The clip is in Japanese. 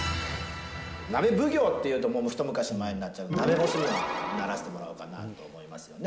鍋奉行っていうと一昔前になっちゃうから、鍋ボスにならしてもらおうかなと思いますよね。